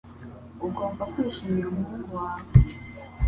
Ugomba kwishimira umuhungu wawe.